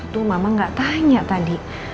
tuh mama gak tanya tadi